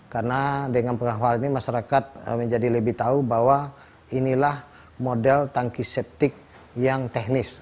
karena dengan program hal ini masyarakat menjadi lebih tahu bahwa inilah model tangki septik yang teknis